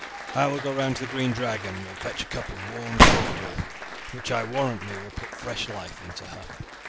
I will go round to the Green Dragon and will fetch a cup of warm cordial, which I warrant me will put fresh life into her."